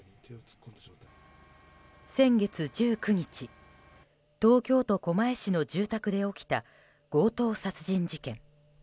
先月１９日、東京都狛江市の住宅で起きた強盗殺人事件。